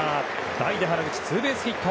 代打、原口、ツーベースヒット。